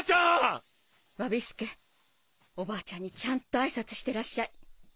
侘助おばあちゃんにちゃんと挨拶してらっしゃい。